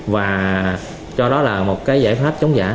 và cho đó là một cái giải pháp chống giả